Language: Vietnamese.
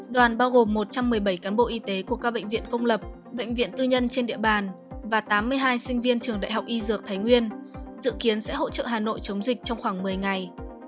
đoàn bao gồm một trăm một mươi bảy cán bộ y tế của các bệnh viện công lập bệnh viện tư nhân trên địa bàn và tám mươi hai sinh viên trường đại học y dược thái nguyên dự kiến sẽ hỗ trợ hà nội chống dịch trong khoảng một mươi ngày